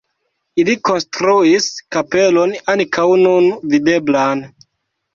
Ili konstruis kapelon ankaŭ nun videblan.